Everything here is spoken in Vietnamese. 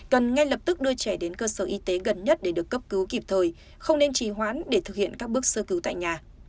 cần ngay lập tức đưa trẻ đến cơ sở y tế gần nhất để được cấp cứu kịp thời không nên trì hoãn để thực hiện các bước sơ cứu tại nhà